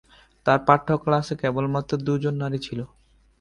তার পাঠ্য ক্লাসে কেবলমাত্র দুজন নারী ছিলো।